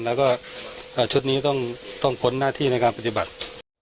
แล้วก็ชุดนี้ต้องพ้นหน้าที่ในการปฏิบัติ